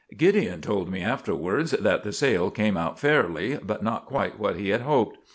Gideon told me afterwards that the sale came out fairly, but not quite what he had hoped.